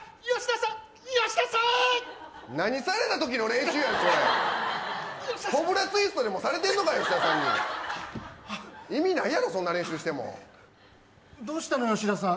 何されたときの練習やそれコブラツイストでもされてんのか吉田さんに意味ないやろそんな練習してもどうしたの吉田さん